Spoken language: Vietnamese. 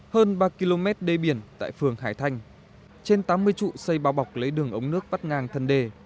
hơn ba km đê biển tại phường hải thanh trên tám mươi trụ xây bao bọc lấy đường ống nước bắt ngang thân đê